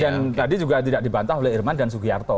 dan tadi juga tidak dibantah oleh irman dan sugiyarto